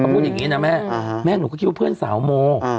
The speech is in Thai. พูดอย่างนี้นะแม่แม่หนูก็คิดว่าเพื่อนสาวโม